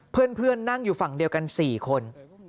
เพื่อนนั่งอยู่ฝั่งเดียวกัน๔คน